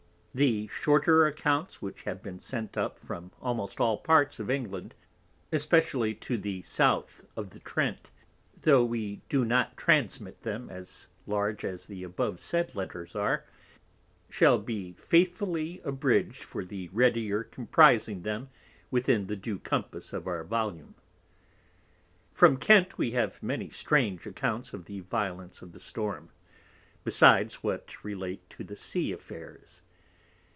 The shorter Accounts which have been sent up from almost all parts of England, especially to the South of the Trent; _tho' we do not transmit them at large as the abovesaid Letters are, shall be faithfully abridg'd for the readier comprising them within the due compass of our Volume._ From Kent _we have many strange Accounts of the Violence of the Storm, besides what relate to the Sea Affairs.